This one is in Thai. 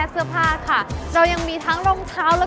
เท่านั้น